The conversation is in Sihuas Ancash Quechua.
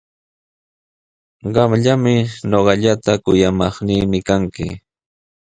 Qamllami ñuqallata kuyamaqnii kanki.